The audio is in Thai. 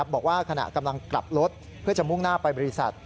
บอกว่าขณะกำลังกลับรถเพื่อจะมุ่งหน้าไปบริษัท